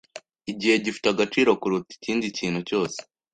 Igihe gifite agaciro kuruta ikindi kintu cyose.